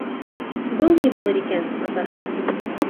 Был ни булыр икән, атаһы?!